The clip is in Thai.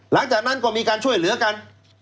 หลังจากนั้นก็มีการช่วยเหลือกัน